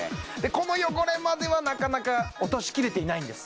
この汚れまではなかなか落としきれていないんです